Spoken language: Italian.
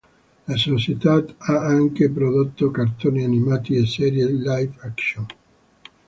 La società ha anche prodotto cartoni animati e serie live action.